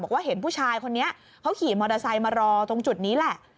บอกว่าเห็นผู้ชายคนนี้เขาขี่มอเตอร์ไซค์มารอตรงจุดนี้แหละ